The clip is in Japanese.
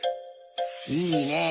いいねえ。